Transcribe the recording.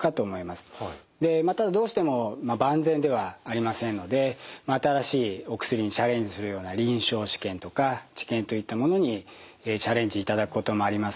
でまたどうしても万全ではありませんので新しいお薬にチャレンジするような臨床試験とか治験といったものにチャレンジいただくこともあります。